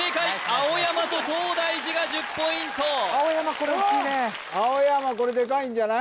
青山と東大寺が１０ポイント青山これデカいんじゃない？